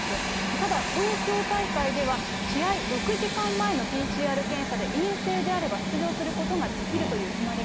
ただ東京大会では、試合６時間前のＰＣＲ検査で陰性であれば出場することができるとただ